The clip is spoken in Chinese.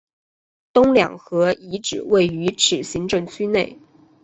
东两河遗址位于此行政区内。